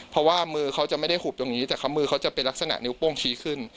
เพราะว่ามือเขาจะไม่ได้หุบตรงนี้แต่เขามือเขาจะเป็นลักษณะนิ้วโป้งชี้ขึ้น